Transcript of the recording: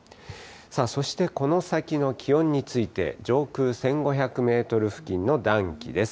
そしてこの先の気温について、上空１５００メートル付近の暖気です。